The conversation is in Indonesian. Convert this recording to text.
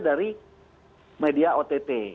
dari media ott